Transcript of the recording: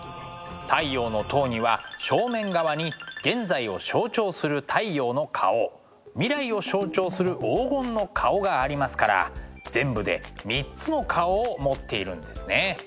「太陽の塔」には正面側に現在を象徴する太陽の顔未来を象徴する黄金の顔がありますから全部で３つの顔を持っているんですね。